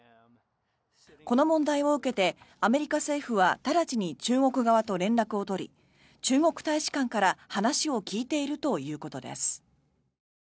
この問題を受けてアメリカ政府は直ちに中国側と連絡を取り中国大使館から話を聞いているということです。